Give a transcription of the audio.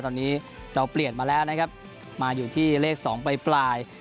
ตอนนี้เราเปลี่ยนมาแล้วนะครับมาอยู่ที่เลข๒ปลาย